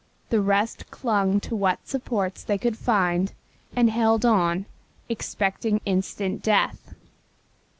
The rest clung to what supports they could find and held on expecting instant death.